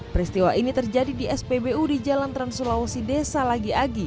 peristiwa ini terjadi di spbu di jalan trans sulawesi desa lagi agi